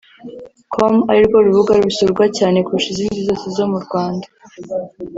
com arirwo rubuga rusurwa cyane kurusha izindi zose zo mu Rwanda